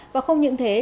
và không những thế